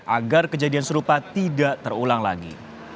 agar kejadian serupa tidak terulang lagi